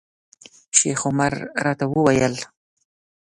شیخ عمر راته وویل.